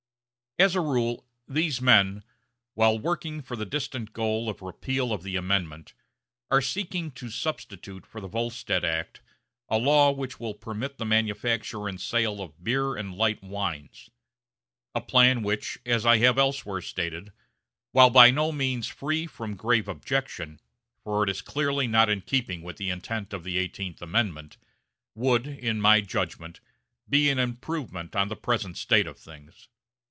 As a rule, these men, while working for the distant goal of repeal of the Amendment, are seeking to substitute for the Volstead act a law which will permit the manufacture and sale of beer and light wines; a plan which, as I have elsewhere stated, while by no means free from grave objection for it is clearly not in keeping with the intent of the Eighteenth Amendment would, in my judgment, be an improvement on the present state of things.